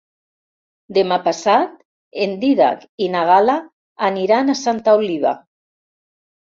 Demà passat en Dídac i na Gal·la aniran a Santa Oliva.